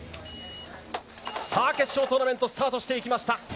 決勝トーナメントがスタートしていきました。